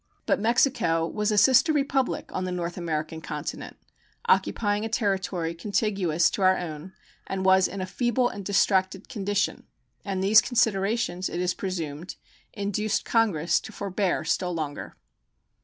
But Mexico was a sister republic on the North American continent, occupying a territory contiguous to our own, and was in a feeble and distracted condition, and these considerations, it is presumed, induced Congress to forbear still longer.